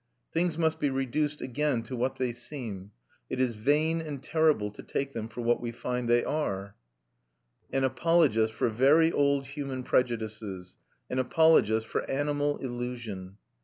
Things must be reduced again to what they seem; it is vain and terrible to take them for what we find they are. M. Bergson is at bottom an apologist for very old human prejudices, an apologist for animal illusion.